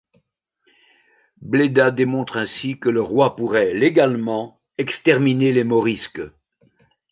Bleda démontre ainsi que le roi pourrait légalement exterminer les morisques.